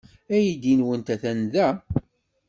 Aydi-nwent atan da.